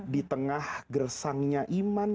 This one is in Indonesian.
di tengah gersangnya iman